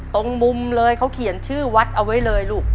ตรงมุมเลยเขาเขียนชื่อวัดเอาไว้เลยลูก